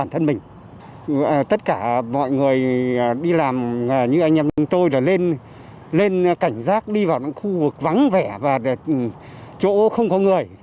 tất cả mọi người đi làm như anh em tôi là lên cảnh giác đi vào những khu vực vắng vẻ và chỗ không có người